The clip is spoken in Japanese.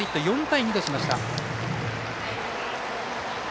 ４対２としました。